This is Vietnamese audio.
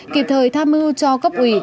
kịp thời tham mưu cho cấp ủy